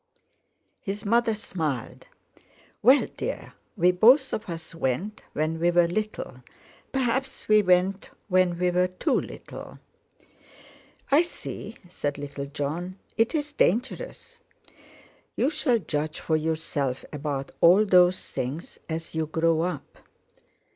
His mother smiled. "Well, dear, we both of us went when we were little. Perhaps we went when we were too little." "I see," said little Jon, "it's dangerous." "You shall judge for yourself about all those things as you grow up."